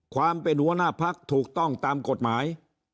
ความเป็นหัวหน้าพักถูกต้องตามกฎหมาย